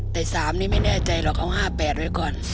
แต่๓นี้ไม่แน่ใจหรอกเอา๕๘ไว้ก่อน